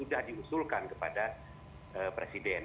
sudah diusulkan kepada presiden